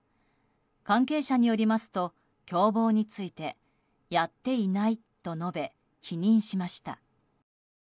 関係者によりますと共謀についてやっていないと述べ否認しました。